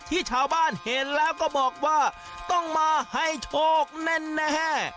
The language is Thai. ที่ชาวบ้านเห็นแล้วก็บอกว่าต้องมาให้โชคแน่